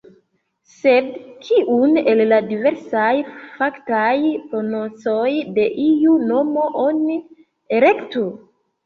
Sed kiun el la diversaj faktaj prononcoj de iu nomo oni elektu?